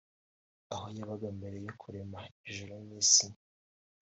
aho yabaga mbere yo kurema ijuru n’isi